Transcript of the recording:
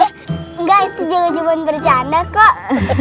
eh enggak itu juga cuma bercanda kok